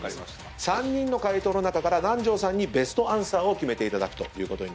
３人の回答の中から南條さんにベストアンサーを決めていただくと。